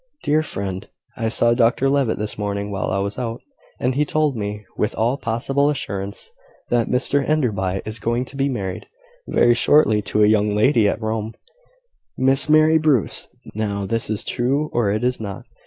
"Dear Friend, I saw Dr Levitt this morning while I was out, and he told me, with all possible assurance, that Mr Enderby is going to be married very shortly to a young lady at Rome, Miss Mary Bruce. Now, this is true or it is not.